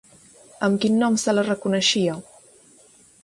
Amb quin nom se la reconeixia?